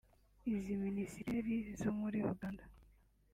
Izi Minisiteri zo muri Uganda